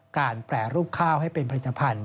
แปรรูปข้าวให้เป็นผลิตภัณฑ